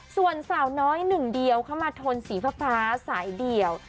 ส่วนสาวน้อยหนึ่งเดียวเข้ามาทนสีฟ้าสายเดี่ยว